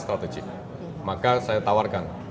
strategik maka saya tawarkan